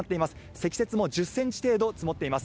積雪も１０センチ程度、積もっています。